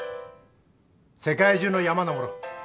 世界中の山登ろう